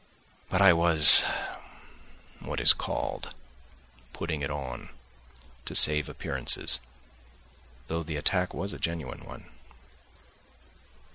But I was, what is called, putting it on, to save appearances, though the attack was a genuine one.